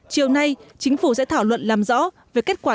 chiều nay chính phủ sẽ thảo luận làm rõ về kết quả